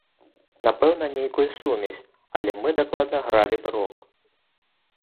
Напэўна, нейкую сумесь, але мы дакладна гралі б рок!